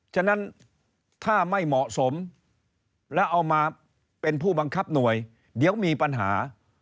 ฉะนั้นถ้าไม่เหมาะสมแล้วเอามาเป็นผู้บังคับหน่วยเดี๋ยวมีปัญหา